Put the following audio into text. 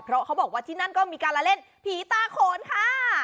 เพราะเขาบอกว่าที่นั่นก็มีการละเล่นผีตาโขนค่ะ